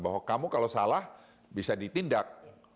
bahwa kamu kalau salah bisa ditindak